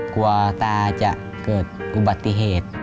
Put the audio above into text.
กลัวตาจะเกิดอุบัติเหตุ